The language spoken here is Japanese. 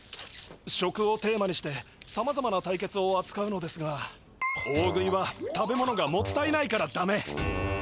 「食」をテーマにしてさまざまな対決をあつかうのですが大食いは食べ物がもったいないからだめ！